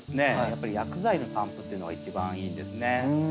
やっぱり薬剤の散布っていうのが一番いいんですね。